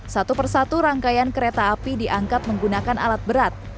satu persatu rangkaian kereta api diangkat menggunakan alat berat